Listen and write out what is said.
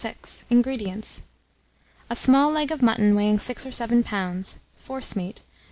INGREDIENTS. A small leg of mutton, weighing 6 or 7 lbs., forcemeat, No.